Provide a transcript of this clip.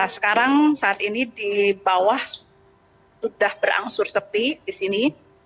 sekarang saat ini di bawah sudah berangsur sepi di sini